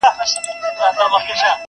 له آوازه به یې ویښ ویده وطن سي!